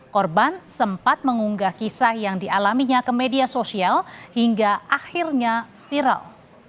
korban sempat mengunggah kisah yang dialaminya ke media sosial hingga akhirnya viral